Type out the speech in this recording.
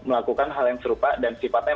melakukan hal yang serupa dan sifatnya